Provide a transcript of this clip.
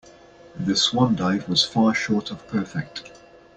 The swan dive was far short of perfect.